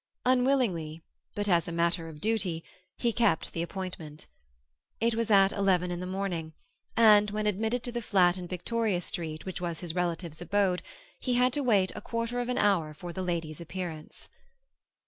Unwillingly, but as a matter of duty, he kept the appointment. It was at eleven in the morning, and, when admitted to the flat in Victoria Street which was his relative's abode, he had to wait a quarter of an hour for the lady's appearance.